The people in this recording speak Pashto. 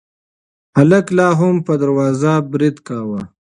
هلک لا هم په دروازه برید کاوه.